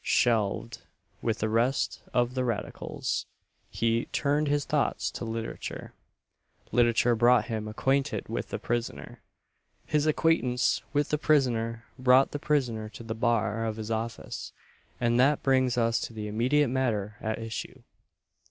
Shelved, with the rest of the radicals, he turned his thoughts to literature; literature brought him acquainted with the prisoner; his acquaintance with the prisoner brought the prisoner to the bar of this office; and that brings us to the immediate matter at issue.